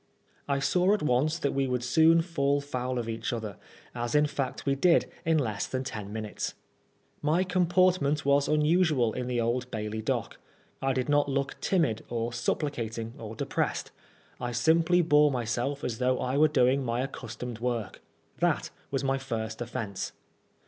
I saw at once that we should soon fall foul of each other, as in fact we did in less than ten minutes. My comportment was unusual in the Old Bailey dock ; I did not look timid or supplicating or depressed ; I simply bore myself as though I were doing my accustomed work. That was my first offence.